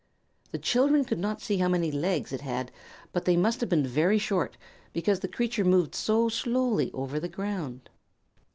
The children could not see how many legs it had, but they must have been very short, because the creature moved so slowly over the ground.